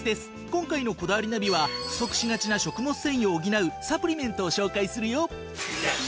今回の『こだわりナビ』は不足しがちな食物繊維を補うサプリメントを紹介するよ。